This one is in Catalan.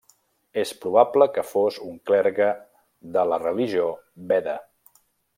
És probable que fos un clergue de la religió veda.